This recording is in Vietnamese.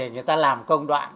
người ta làm công đoạn